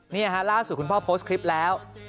เนี่ยฮะล่าสูตรคุณพ่อโพสต์คลิปแล้ว